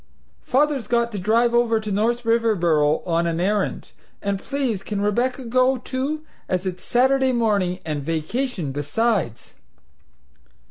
Father's got to drive over to North Riverboro on an errand, and please can Rebecca go, too, as it's Saturday morning and vacation besides?"